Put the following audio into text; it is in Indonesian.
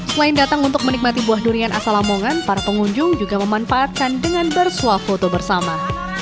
selain datang untuk menikmati buah durian asal lamongan para pengunjung juga memanfaatkan dengan bersuah foto bersama